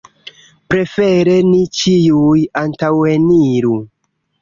Prefere ni ĉiuj antaŭeniru.